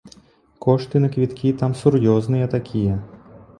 Кошты на квіткі там сур'ёзныя такія.